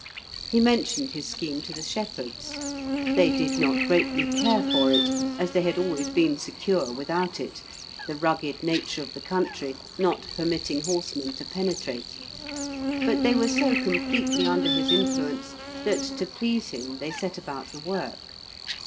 He mentioned his scheme to the shepherds; they did not greatly care for it, as they had always been secure without it, the rugged nature of the country not permitting horsemen to penetrate. But they were so completely under his influence that to please him they set about the work.